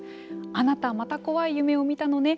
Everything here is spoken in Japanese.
「あなたまたコワイ夢を見たのね」